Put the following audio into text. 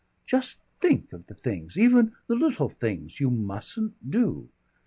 Just think of the things even the little things you mustn't do.